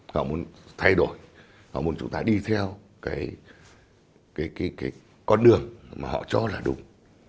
họ muốn thay đổi họ muốn chúng ta đi theo cái con đường mà họ cho là đúng